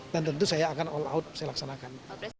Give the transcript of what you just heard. dan tentu saya akan all out saya laksanakan